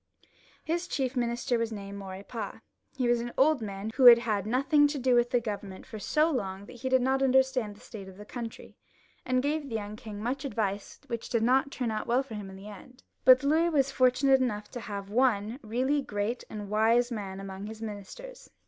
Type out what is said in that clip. His chief minister was named Maurepas ; he was an old man who had had nothing to do with the Government for so long that he did not understand the state of the country, and gave the young Ving much advice which did not turn out well for him in the end. But Louis was fortunate enough to have one really great and wise man among his ministers.